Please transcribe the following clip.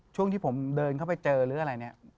ช่วงที่ผมเดินเข้าไปเจอหรืออะไรเนี่ย